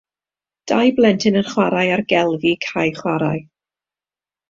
Dau blentyn yn chwarae ar gelfi cae chwarae.